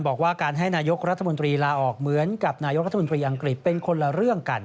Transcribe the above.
บอกว่าการให้นายกรัฐมนตรีลาออกเหมือนกับนายกรัฐมนตรีอังกฤษเป็นคนละเรื่องกัน